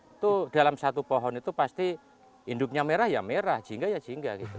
itu dalam satu pohon itu pasti induknya merah ya merah jingga ya jingga gitu